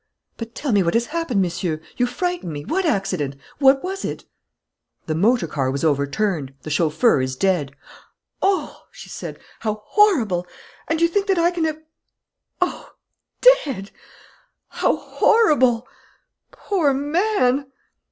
"But tell me what has happened, Monsieur! You frighten me! What accident? What was it?" "The motor car was overturned. The chauffeur is dead." "Oh," she said, "how horrible! And you think that I can have Oh, dead, how horrible! Poor man!"